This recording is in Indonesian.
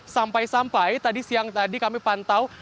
sampai sampai tadi siang tadi kami pantau